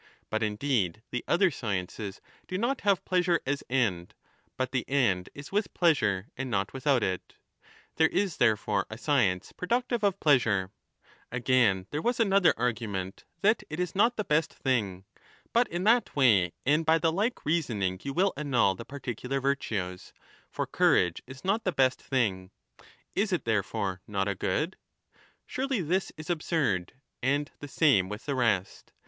But indeed le other sciences do not have pleasure as end, but the end with pleasure and not without it ; there is, therefore, science productive of pleasure. 3° Again, there was another argument," that it is not the ;st thing. But in that way and by the like reasoning )u will annul the particular virtues. For courage is not le best thing. Is it, therefore, not a good ? Surely this absurd ! And the same with the rest.